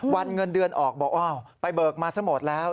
วันเงินเดือนออกบอกว่าไปเบิกมาสมดแล้ว